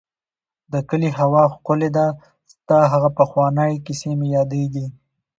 د کلي هوا ښکلې ده ، ستا هغه پخوانی کيسې مې ياديږي.